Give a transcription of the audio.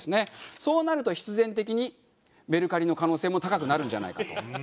そうなると必然的にメルカリの可能性も高くなるんじゃないかと。